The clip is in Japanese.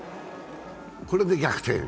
これで逆転。